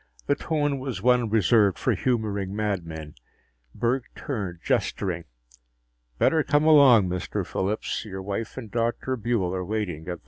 The tone was one reserved for humoring madmen. Burke turned, gesturing. "Better come along, Mr. Phillips. Your wife and Dr. Buehl are waiting at the hotel."